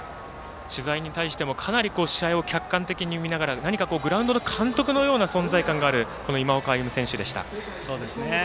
取材に対しても試合を客観的に見ながら何かグラウンドの監督のような存在感のある今岡歩夢選手でした。